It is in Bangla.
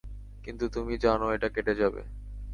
কিন্তু তুমি জানো এটা কেটে যাবে।